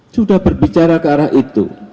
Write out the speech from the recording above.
sudah berbicara ke arah itu